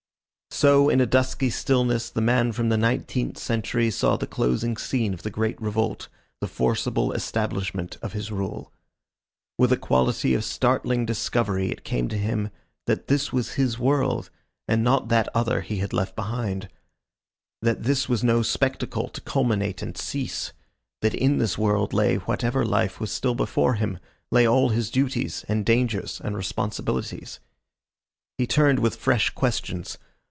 So, in a dusky stillness, the man from the nineteenth century saw the closing scene of the great revolt, the forcible establishment of his rule. With a quality of startling discovery it came to him that this was his world, and not that other he had left behind; that this was no spectacle to culminate and cease; that in this world lay whatever life was still before him, lay all his duties and dangers and responsibilities. He turned with fresh questions.